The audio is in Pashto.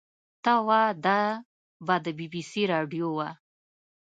ته وا دا به د بي بي سي راډيو وه.